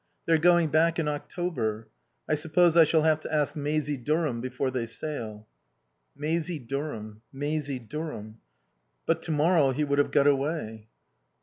They're going back in October. I suppose I shall have to ask. Maisie Durham before they sail." Maisie Durham. Maisie Durham. But to morrow he would have got away.